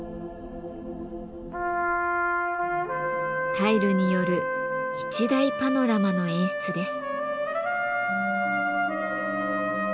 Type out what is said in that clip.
タイルによる一大パノラマの演出です。